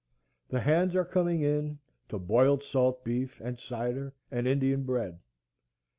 The hands are coming in to boiled salt beef and cider and Indian bread.